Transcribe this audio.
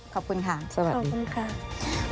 ขอบคุณค่ะสวัสดีค่ะขอบคุณค่ะ